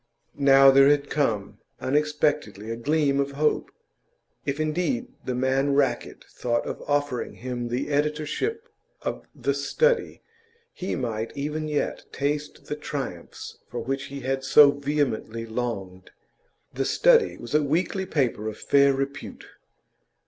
Now there had come unexpectedly a gleam of hope. If indeed, the man Rackett thought of offering him the editorship of The Study he might even yet taste the triumphs for which he had so vehemently longed. The Study was a weekly paper of fair repute.